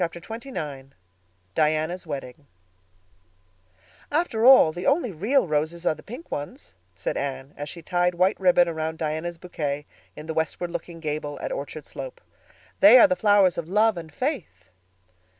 _" Chapter XXIX Diana's Wedding "After all, the only real roses are the pink ones," said Anne, as she tied white ribbon around Diana's bouquet in the westward looking gable at Orchard Slope. "They are the flowers of love and faith."